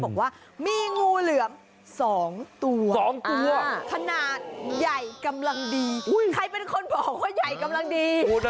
บอกว่ามีงูเหลือม๒ตัว๒ตัวขนาดใหญ่กำลังดีใครเป็นคนบอกว่าใหญ่กำลังดี